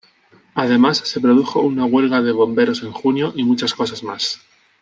Además se produjo una huelga de bomberos en junio y muchas cosas más.